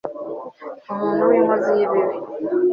umuntu winkozi yibibi